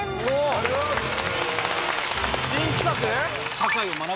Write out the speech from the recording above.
ありがとうございます。